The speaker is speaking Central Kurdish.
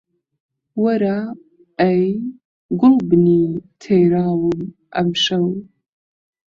وەرە ئەی گوڵبنی تێراوم ئەمشەو